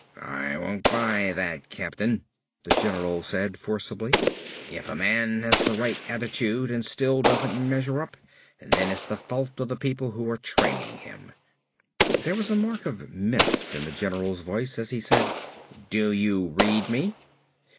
"I won't buy that, captain," the general said forcefully. "If a man has the right attitude and still doesn't measure up then it's the fault of the people who are training him." There was a mark of menace in the general's voice as he said, "Do you read me?"